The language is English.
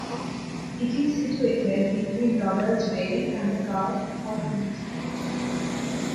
It is situated between Roberts Bay and the Gulf of Mexico.